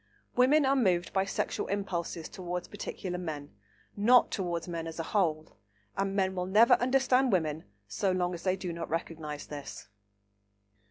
Women are moved by sexual impulses towards particular men, not towards men as a whole, and men will never understand women so long as they do not recognise this.